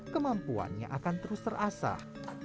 kemampuannya akan terus terasah